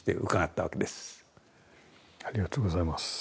ありがとうございます。